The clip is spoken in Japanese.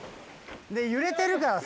で揺れてるからさ。